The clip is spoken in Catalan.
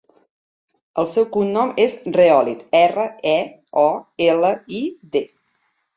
El seu cognom és Reolid: erra, e, o, ela, i, de.